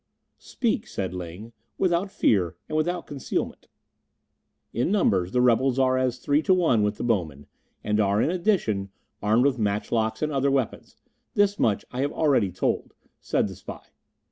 "Speak," said Ling, "without fear and without concealment." "In numbers the rebels are as three to one with the bowmen, and are, in addition, armed with matchlocks and other weapons; this much I have already told," said the spy.